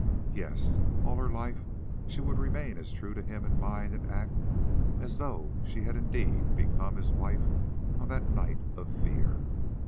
Yes, all her life she would remain as true to him in mind and act as though she had indeed become his wife on that night of fear.